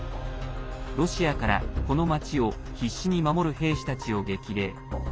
ロシアから、この町を必死に守る兵士たちを激励。